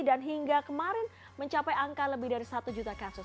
dan hingga kemarin mencapai angka lebih dari satu juta kasus